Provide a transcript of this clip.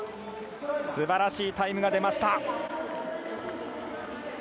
すばらしいタイムが出ました。